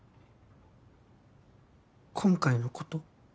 今回のこと？